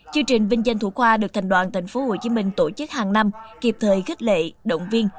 chương trình vinh danh thủ khoa được thành đoàn tp hcm tổ chức hàng năm kịp thời khích lệ động viên